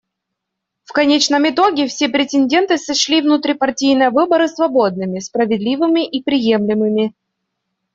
В конечном итоге все претенденты сочли внутрипартийные выборы свободными, справедливыми и приемлемыми.